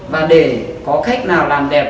và để có khách nào làm đẹp